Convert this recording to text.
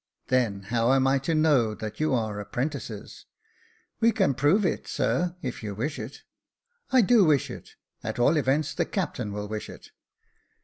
" Then, how am I to know that you are apprentices ?"We can prove it, sir, if you wish it." '' I do wish it ; at all events, the captain will wish it."